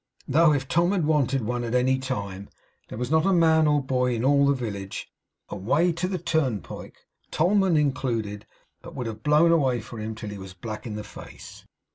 Though if Tom had wanted one at any time, there was not a man or boy in all the village, and away to the turnpike (tollman included), but would have blown away for him till he was black in the face.